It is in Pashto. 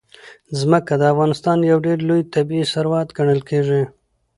ځمکه د افغانستان یو ډېر لوی طبعي ثروت ګڼل کېږي.